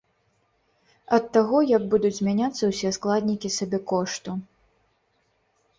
Ад таго, як будуць змяняцца ўсе складнікі сабекошту.